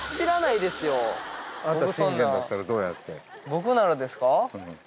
僕ならですか？